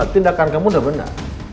tindakan kamu udah benar